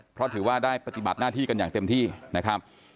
เพราะถือว่าได้ปฏิบัติหน้าที่กันอย่างเต็มที่นะครับ